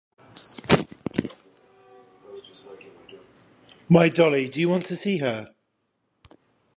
My dolly; do you want to see her?